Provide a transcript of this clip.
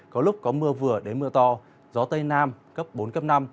có lúc có mưa vừa đến mưa to gió tây nam cấp bốn cấp năm